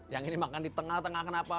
yang ini makan di tengah tengah kenapa